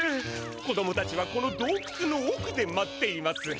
子どもたちはこのどうくつのおくで待っています。